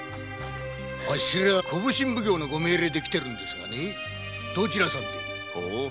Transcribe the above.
あっしらは小普請奉行様の命令で来てるんですがどちらさんで？